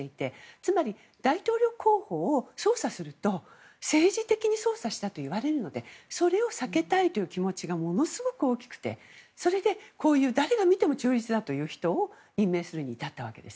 つまり、大統領候補を捜査すると政治的に捜査したと言われるのでそれを避けたいという気持ちがものすごく大きくてそれで誰が見ても中立だという人を任命するに至ったわけです。